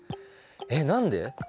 えっ何で？